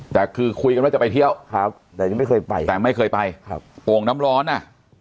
แต่คือคุยกันว่าจะไปเที่ยวแต่ยังไม่เคยไปโป่งน้ำร้อนนะ